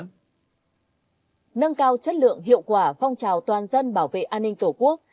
nâng cao chất lượng hiệu quả phong trào toàn dân bảo vệ an ninh tổ quốc